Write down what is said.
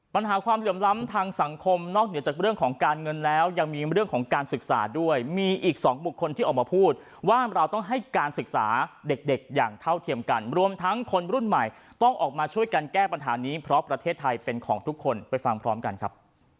ปัญหาความเหลื่อมล้ำทางสังคมนอกเหนือจากเรื่องของการเงินแล้วยังมีเรื่องของการศึกษาด้วยมีอีก๒บุคคลที่ออกมาพูดว่าเราต้องให้การศึกษาเด็กอย่างเท่าเทียมกันรวมทั้งคนรุ่นใหม่ต้องออกมาช่วยกันแก้ปัญหานี้เพราะประเทศไทยเป็นของทุกคนไปฟังพร้อมกันครับ